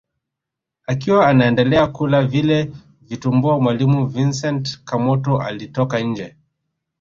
Akiwa anaendelea kula vile vitumbua mwalimu Vincent Kamoto alitoka nje